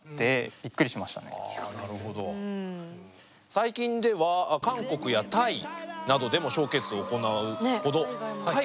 最近では韓国やタイなどでもショーケースを行うほど海外での人気も。